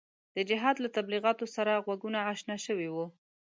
د جهاد له تبلیغاتو سره غوږونه اشنا شوي وو.